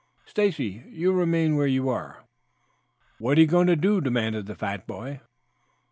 "Stacy, you remain where you are." "What are you going to do?" demanded the fat boy.